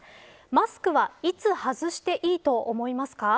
マスクはいつ外していいと思いますか。